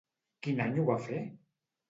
Quin any ho va fer?